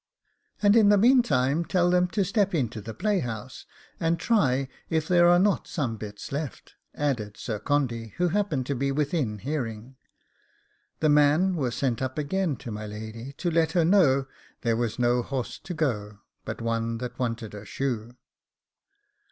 'And in the meantime tell them to step into the playhouse, and try if there are not some bits left,' added Sir Condy, who happened, to be within hearing. The man was sent up again to my lady, to let her know there was no horse to go, but one that wanted a shoe.